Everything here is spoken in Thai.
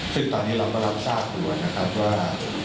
ซึ่งตอนนี้เราก็รับทราบอยู่นะครับว่า